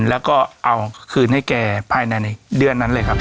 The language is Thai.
แล้วก็เอาคืนให้แกภายในเดือนนั้นเลยครับ